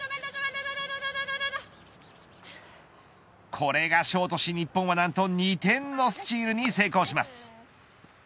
これがショートし日本は何と２点のスチールに成功します。